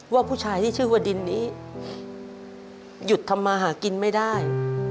ว่าผู้ชายที่ชื่อว่าดินนี้หยุดทำมาหากินไม่ได้